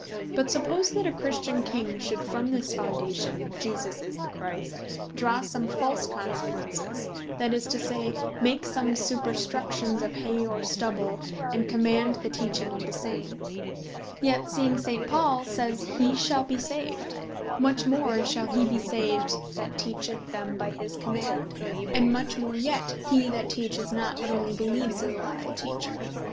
But suppose that a Christian King should from this Foundation, Jesus Is The Christ, draw some false consequences, that is to say, make some superstructions of Hay, or Stubble, and command the teaching of the same; yet seeing St. Paul says, he shal be saved; much more shall he be saved, that teacheth them by his command; and much more yet, he that teaches not, but onely beleeves his lawfull Teacher.